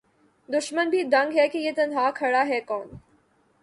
دُشمن بھی دنگ ہے کہ یہ تنہا کھڑا ہے کون